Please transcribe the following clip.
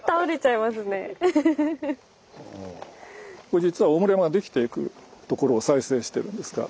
これ実は大室山ができていくところを再生してるんですが。